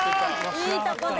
いいとこで。